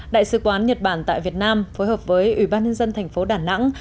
đại sứ quán nhật bản tại việt nam phối hợp với ủy ban nhân dân thành phố đà nẵng